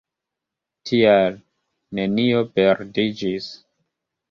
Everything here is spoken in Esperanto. Tial, nenio perdiĝis.